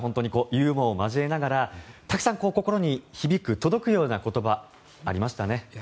ユーモアを交えながらたくさん心に届くような言葉がありましたね。